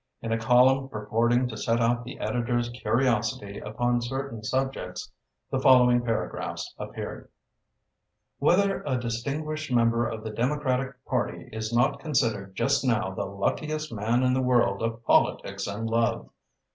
In a column purporting to set out the editor's curiosity upon certain subjects, the following paragraphs appeared: Whether a distinguished member of the Democratic Party is not considered just now the luckiest man in the world of politics and love.